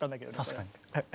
確かに。